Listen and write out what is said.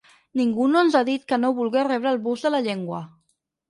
Ningú no ens ha dit que no vulga rebre el bus de la llengua.